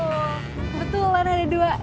kebetulan ada dua